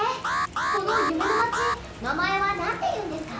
この夢の街名前は何ていうんですか？